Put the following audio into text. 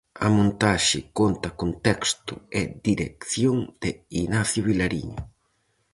A montaxe conta con texto e dirección de Inacio Vilariño.